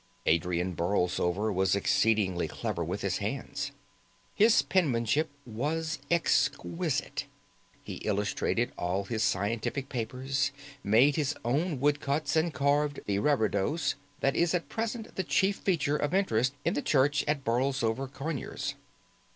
Adrian Borlsover was exceedingly clever with his hands. His penmanship was exquisite. He illustrated all his scientific papers, made his own woodcuts, and carved the reredos that is at present the chief feature of interest in the church at Borlsover Conyers.